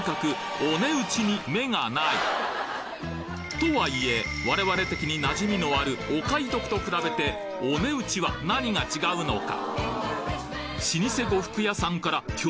とはいえ我々的に馴染みのある「お買い得」と比べて「お値打ち」は何が違うのか？